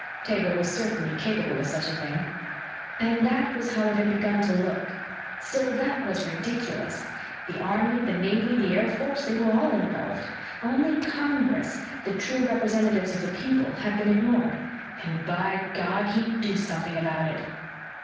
Taber was certainly capable of such a thing. And that was how it had begun to look. Still, that was ridiculous. The Army, the Navy, the Air Force they were all involved. Only Congress the true representatives of the people had been ignored. And, by God, he'd do something about it!